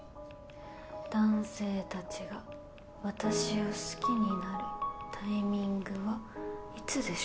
男性たちが私を好きになるタイミングはいつでしょうか？